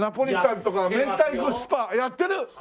やってる？